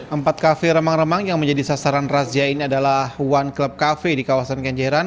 empat kafe remang remang yang menjadi sasaran razia ini adalah one club cafe di kawasan kenjeran